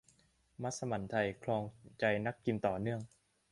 มัสมั่นไทยครองใจนักกินต่อเนื่อง